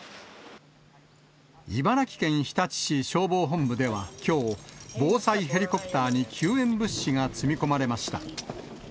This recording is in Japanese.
茨城県日立市消防本部ではきょう、防災ヘリコプターに救援物資が積み込まれました。